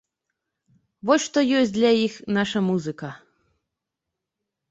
Вось што ёсць для іх наша музыка.